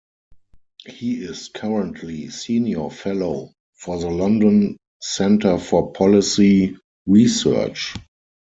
He is currently Senior Fellow for the London Center for Policy Research.